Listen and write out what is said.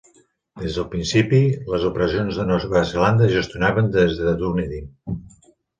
Des del principi, les operacions de Nova Zelanda es gestionaven des de Dunedin.